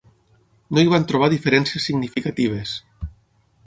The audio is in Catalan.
No hi van trobar diferències significatives.